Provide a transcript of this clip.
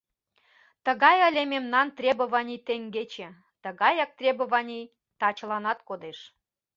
Тыгай ыле мемнан требований теҥгече, тыгаяк требований тачыланат кодеш.